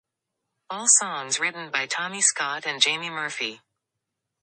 All songs written by Tommy Scott and Jamie Murphy.